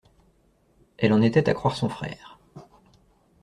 Elle en était à croire son frère.